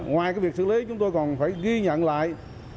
ngoài việc xử lý chúng tôi còn phải ghi nhận lại